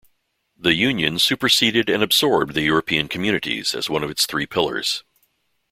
The Union superseded and absorbed the European Communities as one of its three pillars.